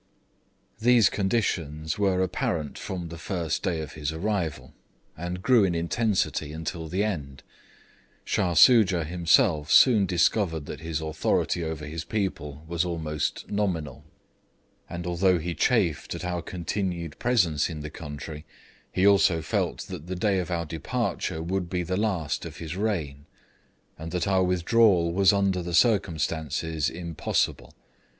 These conditions were apparent from the first day of his arrival, and grew in intensity until the end. Shah Soojah himself soon discovered that his authority over his people was almost nominal; and although he chafed at our continued presence in the country, he also felt that the day of our departure would be the last of his reign, and that our withdrawal was under the circumstances impossible.